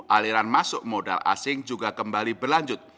aliran masuk modal asing juga kembali berlanjut